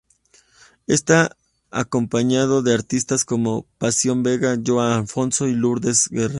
Está acompañado de artistas como Pasión Vega, João Afonso y Lourdes Guerra.